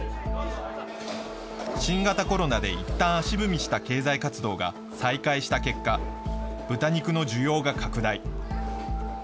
新型コロナでいったん足踏みした経済活動が再開した結果、豚肉の需要が拡大。